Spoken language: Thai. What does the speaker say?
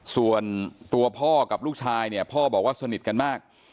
ส่วนตัวพ่อกับลูกชายเนี่ยพ่อบอกว่าสนิทกันมาก